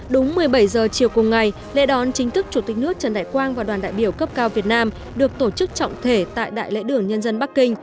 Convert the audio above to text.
đúng một mươi bảy h chiều cùng ngày lễ đón chính thức chủ tịch nước trần đại quang và đoàn đại biểu cấp cao việt nam được tổ chức trọng thể tại đại lễ đường nhân dân bắc kinh